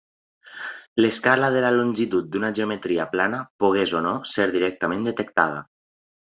L'escala de la longitud d'una geometria plana pogués o no ser directament detectada.